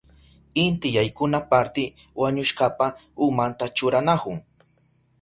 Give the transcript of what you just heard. Inti yaykuna parti wañushkapa umanta churanahun.